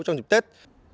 trong dịp tết